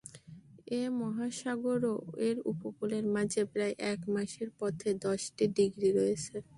এ মহাসাগরও এর উপকূলের মাঝে প্রায় এক মাসের পথে দশটি ডিগ্রী রয়েছে।